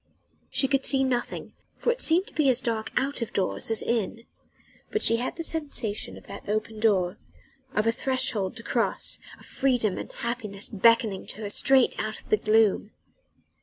She could see nothing, for it seemed to be as dark out of doors as in: but she had the sensation of that open door, of a threshold to cross, of freedom and happiness beckoning to her straight out of the gloom.